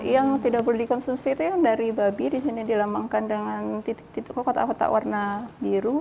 yang tidak boleh dikonsumsi itu yang dari babi di sini dilambangkan dengan titik titik kotak kotak warna biru